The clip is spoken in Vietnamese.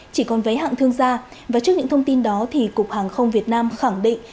chỉ còn vé hạng thương gia và trước những thông tin đó thì cục hàng không việt nam khẳng định